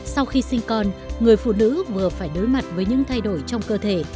sau khi sinh con người phụ nữ vừa phải đối mặt với những thay đổi trong cơ thể